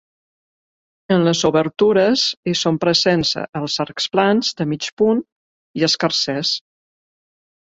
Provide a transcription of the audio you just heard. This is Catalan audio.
En les obertures hi són presents els arcs plans, de mig punt i escarsers.